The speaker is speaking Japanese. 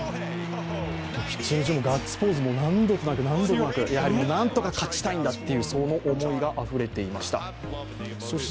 ピッチング中もガッツポーズを何度となく、やはりなんとか勝ちたいんだという思いがあふれていました。